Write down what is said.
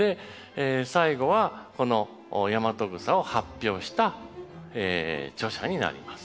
最後はこのヤマトグサを発表した著者になります。